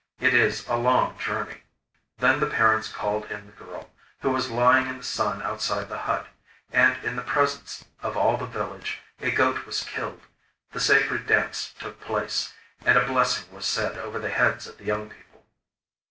It is a long journey.' Then the parents called in the girl, who was lying in the sun outside the hut, and, in the presence of all the village, a goat was killed, the sacred dance took place, and a blessing was said over the heads of the young people.